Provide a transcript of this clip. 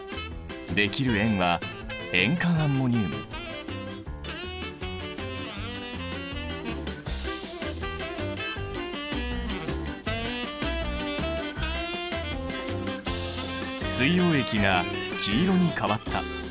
できる塩は水溶液が黄色に変わった。